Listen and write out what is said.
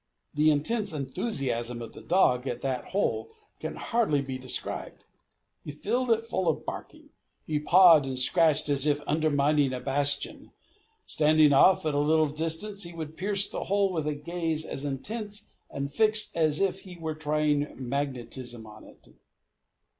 The intense enthusiasm of the dog at that hole can hardly be described. He filled it full of barking. He pawed and scratched as if undermining a bastion. Standing off at a little distance, he would pierce the hole with a gaze as intense and fixed as if he were trying magnetism on it.